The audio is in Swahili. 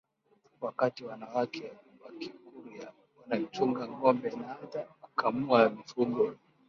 wakati wanawake wa Kikurya wanachunga ngombe na hata kukamua mifugo